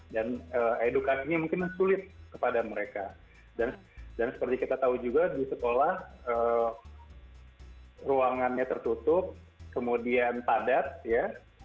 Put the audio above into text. dan edukasinya mungkin sulit kepada mereka dan seperti kita tahu juga di sekolah ruangannya tertutup kemudian padat ya